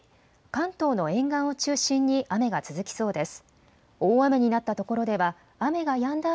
関東の沿岸を中心に雨が続きそうです。